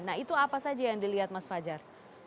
nah itu apa saja yang dilihat mas fajar